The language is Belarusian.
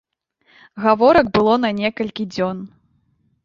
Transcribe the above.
Гаворак было на некалькі дзён.